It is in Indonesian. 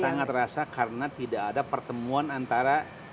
sangat terasa karena tidak ada pertemuan antara